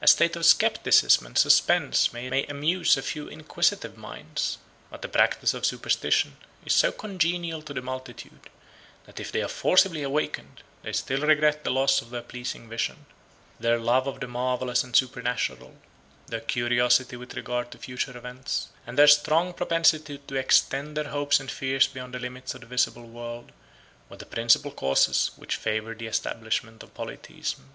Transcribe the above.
A state of scepticism and suspense may amuse a few inquisitive minds. But the practice of superstition is so congenial to the multitude, that if they are forcibly awakened, they still regret the loss of their pleasing vision. Their love of the marvellous and supernatural, their curiosity with regard to future events, and their strong propensity to extend their hopes and fears beyond the limits of the visible world, were the principal causes which favored the establishment of Polytheism.